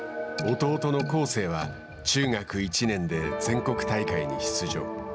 弟の恒成は中学１年で全国大会に出場。